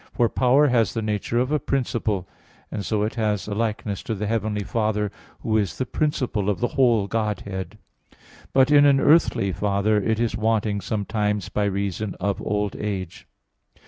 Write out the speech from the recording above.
For "power" has the nature of a principle, and so it has a likeness to the heavenly Father, Who is the principle of the whole Godhead. But in an earthly father it is wanting sometimes by reason of old age.